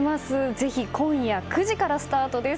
ぜひ今夜９時からスタートです。